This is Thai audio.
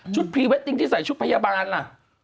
พรีเวดดิ้งที่ใส่ชุดพยาบาลล่ะ